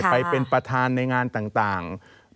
ไปเป็นประธานในงานต่าง